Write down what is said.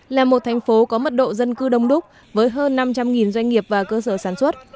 là một thành phố có mật độ dân cư đông đúc với hơn năm trăm linh doanh nghiệp và cơ sở sản xuất